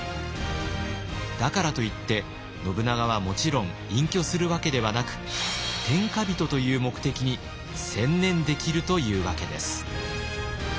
だからといって信長はもちろん隠居するわけではなく天下人という目的に専念できるというわけです。